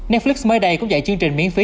netflix mới đây cũng dạy chương trình miễn phí